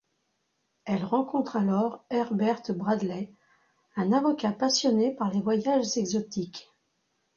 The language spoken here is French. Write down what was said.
Elle rencontre alors Herbert Bradley, un avocat passionné par les voyages exotiques.